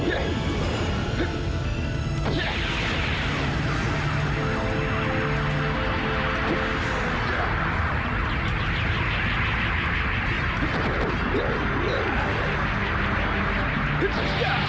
bapak merupakan pengetahuan